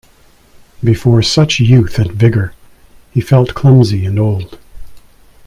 Before such youth and vigour he felt clumsy and old.